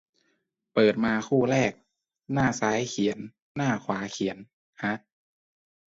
เปิดมาคู่แรก หน้าซ้ายเขียน หน้าขวาเขียน ฮะ